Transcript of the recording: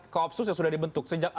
koopsus yang sudah dibentuk